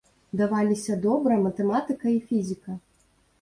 Даваліся добра матэматыка і фізіка.